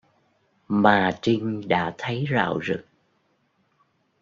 Mà Trinh đã thấy dạo rực